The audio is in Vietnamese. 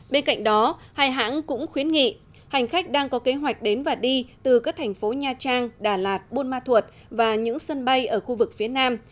bên cạnh đó hai hãng cũng khuyến nghị hành khách đang có kế hoạch đến và đi từ các thành phố nha trang đà lạt buôn ma thuột và những sân bay ở khu vực phía nam